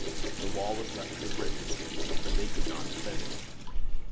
The wall was left to the Britons; but they could not defend it.